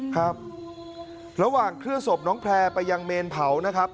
ครับระหว่างเคลื่อนศพน้องแพร่ไปยังเมนเผานะครับ